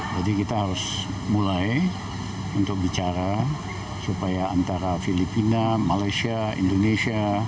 jadi kita harus mulai untuk bicara supaya antara filipina malaysia indonesia